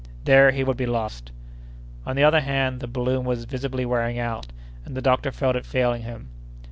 There he would be lost! On the other hand, the balloon was visibly wearing out, and the doctor felt it failing him.